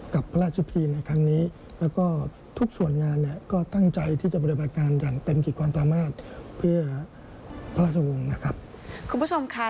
กับพระราชพีในครั้งนี้